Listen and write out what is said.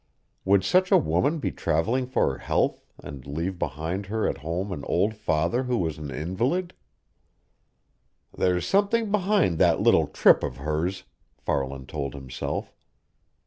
Would such a woman be traveling for her health and leave behind her at home an old father who was an invalid? "There's something behind that little trip of hers," Farland told himself.